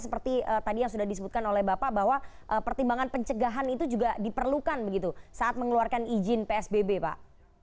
seperti tadi yang sudah disebutkan oleh bapak bahwa pertimbangan pencegahan itu juga diperlukan begitu saat mengeluarkan izin psbb pak